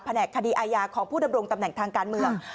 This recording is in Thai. แหนกคดีอาญาของผู้ดำรงตำแหน่งทางการเมือง